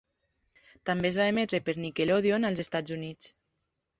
També es va emetre per Nickelodeon als Estats Units.